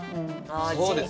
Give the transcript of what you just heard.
そうですね。